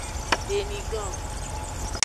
Beniglan.